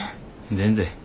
全然。